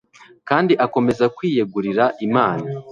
kandi akomeza kwiyegurira Imana.